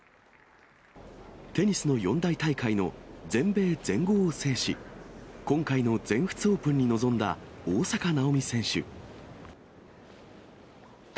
テニスの四大大会の全米、全豪を制し、今回の全仏オープンに臨んだ大坂なおみ選手。